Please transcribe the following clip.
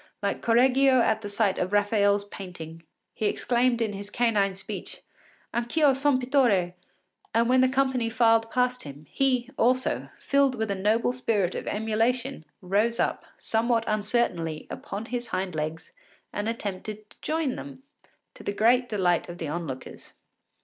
Like Correggio at the sight of Raphael’s painting, he exclaimed in his canine speech, Anch’ io son pittore! and when the company filed past him, he also, filled with a noble spirit of emulation, rose up, somewhat uncertainly, upon his hind legs and attempted to join them, to the great delight of the onlookers.